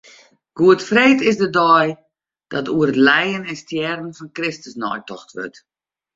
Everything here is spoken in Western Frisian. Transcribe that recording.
Goedfreed is de dei dat oer it lijen en stjerren fan Kristus neitocht wurdt.